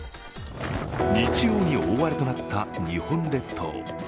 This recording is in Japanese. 日曜に大荒れとなった日本列島。